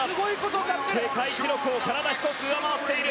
世界記録を体１つ上回っている。